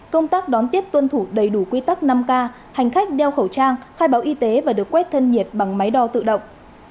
công tác đón tiếp tuân thủ đầy đủ quy tắc năm k hành khách đeo khẩu trang khai báo y tế và được quét thân nhiệt bằng máy đo tự động